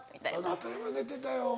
「当たり前寝てたよ」。